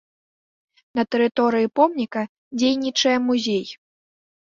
На тэрыторыі помніка дзейнічае музей.